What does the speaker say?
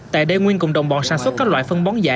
tại đây nguyên cùng đồng bọn sản xuất các loại phân bón giả